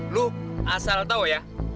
lu asal tau ya